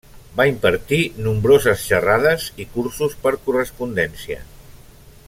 Va impartir nombroses xerrades i cursos per correspondència.